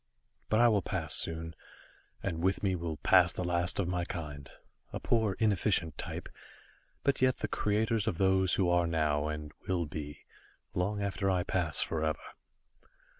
But I will pass soon, and with me will pass the last of my kind, a poor inefficient type, but yet the creators of those who are now, and will be, long after I pass forever.